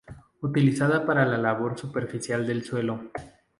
Utilizada para la labor superficial del suelo.